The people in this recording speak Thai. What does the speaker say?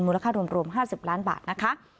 ค่ารวม๕๐ล้านบาทนะคะ